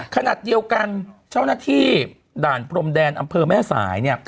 ขณะเดียวกันเจ้าหน้าที่ด่านพรมแดนอำเภอแม่สายเนี่ย